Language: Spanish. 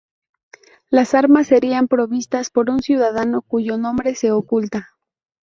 Las armas serían provistas por un ciudadano "cuyo nombre se oculta".